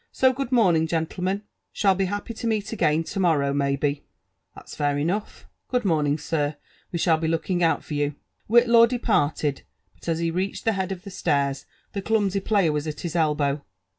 — So, good morning, gentlemen« < shalf be happy to meet again — lo morrow, maybe?" That's fair enough; good morning, sir,— we shall be looking out tor you." Whitlaw departed ; but as he reached the head of the stiiirs the clumsy player was at his elbow.